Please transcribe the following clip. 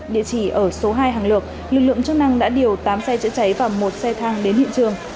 địa chỉ ở số hai hàng lược lực lượng chức năng đã điều tám xe chữa cháy và một xe thang đến hiện trường